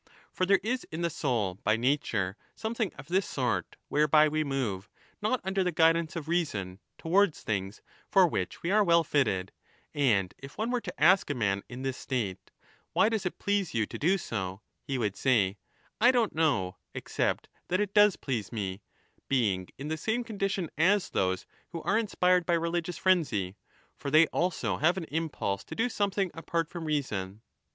For there is in the soul by nature something of this sort whereby we move, not under the guidance of reason, towards things for which we are well fitted. And 1207^ if one were to ask a man in this state, * Why does it please you to do so?' — he would say, ' I don't know, except that it does please me,' being in the same condition as those who are inspired by religious frenzy ; for they also have an impulse to do something apart from reason.